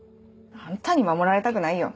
あんたに守られたくないよ！